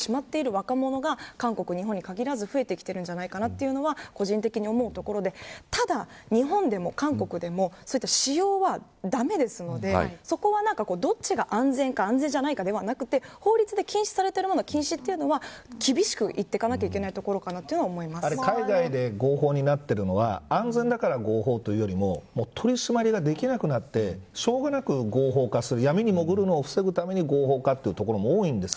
若者が韓国や日本に限らず増えてきているんじゃないかなというのは個人的に思うところでただ、日本でも韓国でもそういった使用は駄目ですのでそこは、どっちが安全か安全じゃないかではなくて法律で禁止されているものは禁止というのは厳しく言っていかなきゃいけないところ海外で合法になっているのは安全だから合法というよりも取り締まりができなくなってしょうがなく合法化する。